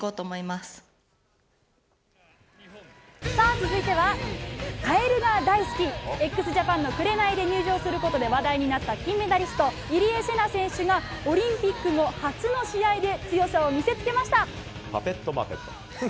続いてはカエルが大好きＸＪＡＰＡＮの「紅」で入場することで話題になった金メダリスト入江聖奈選手がオリンピック後初の試合で強さを見せつけました。